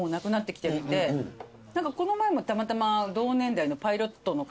この前もたまたま。